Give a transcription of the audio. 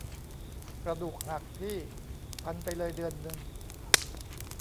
กระดูกหักพี่ พันไปเลยเดือนนึง